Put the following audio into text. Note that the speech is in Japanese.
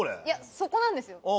いやそこなんですよ。